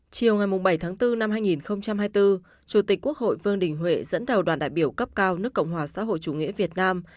chiều ngày bảy tháng bốn năm hai nghìn hai mươi bốn chủ tịch quốc hội vương đình huệ dẫn đầu đoàn đại biểu cấp cao nước cộng hòa xã hội chủ nghĩa việt nam